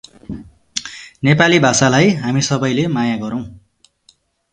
नेपाली भाषालाई हामी सबैले माया गरौँ।